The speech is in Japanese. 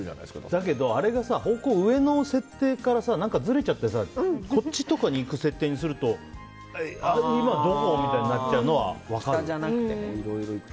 だけど、あれが方向が上の設定からずれちゃってこっちとかに行く設定にすると今、どこ？みたいになっちゃうのは分かる。